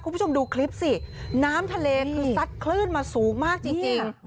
คุณผู้ชมดูคลิปสิน้ำทะเลคือซัดคลื่นมาสูงมากจริง